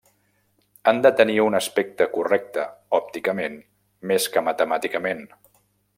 Han de tenir un aspecte correcte òpticament més que matemàticament.